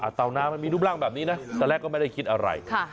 อ่าเตาหน้ามันมีรูปร่างแบบนี้น่ะแต่แรกก็ไม่ได้คิดอะไรค่ะ